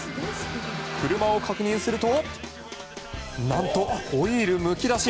車を確認すると何と、ホイールむき出し。